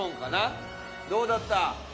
どうだった？